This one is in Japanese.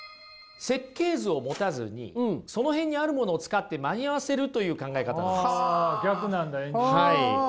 設計図を持たずにその辺にあるものを使って間に合わせるという考え方なんです。